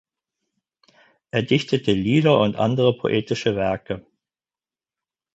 Er dichtete Lieder und andere poetische Werke.